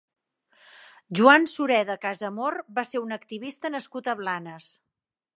Joan Sureda Casamor va ser un activista nascut a Blanes.